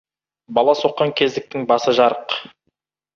Бала соққан кездіктің басы жарық.